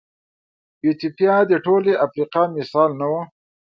ایتوپیا د ټولې افریقا مثال نه و.